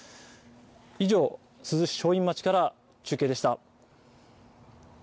以上、珠洲市正院町から中継でした。